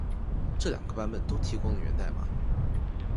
这两个版本都提供了源代码。